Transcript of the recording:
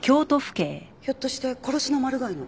ひょっとしてコロシのマルガイの？